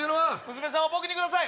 娘さんを僕にください！